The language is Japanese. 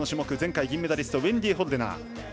前回、銀メダリストウェンディ・ホルデナー。